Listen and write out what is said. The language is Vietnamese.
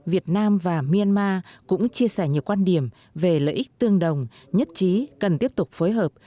việt nam và myanmar cũng chia sẻ nhiều quan điểm về lợi ích tương đồng nhất trí cần tiếp tục phối hợp